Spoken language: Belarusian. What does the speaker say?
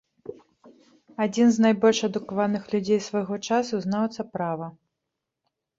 Адзін з найбольш адукаваных людзей свайго часу, знаўца права.